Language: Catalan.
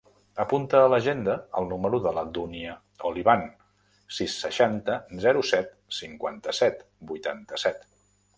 Apunta a l'agenda el número de la Dúnia Olivan: sis, seixanta, zero, set, cinquanta-set, vuitanta-set.